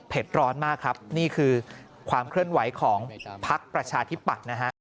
ร้อนมากครับนี่คือความเคลื่อนไหวของพักประชาธิปัตย์นะฮะ